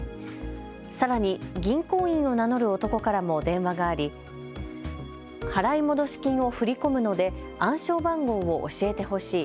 さらに銀行員を名乗る男からも電話があり払戻金を振り込むので暗証番号を教えてほしい。